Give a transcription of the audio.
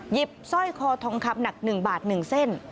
หยิบสร้อยคอทองครับหนักหนึ่งบาทหนึ่งเส้น